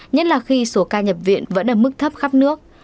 nhất là khi số ca nhập viện vẫn ở mức thấp khắp nước